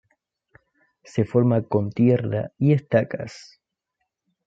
Se forma con tierra y estacas.